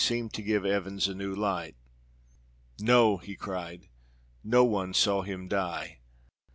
seemed to give Evans a new light. "No!" he cried. "No one saw him die.